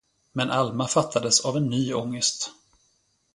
Men Alma fattades av en ny ångest.